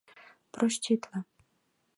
Проститле.